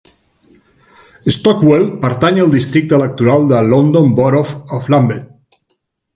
Stockwell pertany al districte electoral de London Borough of Lambeth.